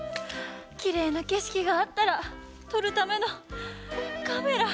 きれいなけしきがあったらとるためのカメラ。